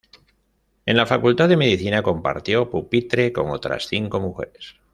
En la Facultad de Medicina, compartió pupitre con otras cinco mujeres.